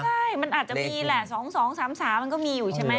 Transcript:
ใช่มันอาจจะมีแหละ๒๒๓๓มันก็มีอยู่ใช่ไหม